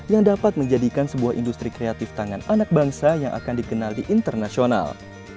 yang dapat menjadikan sebuah industri kreatif tangan anak bangsa yang akan dikenal di internasional